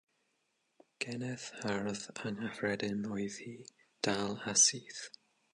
Geneth hardd anghyffredin oedd hi, dal a syth.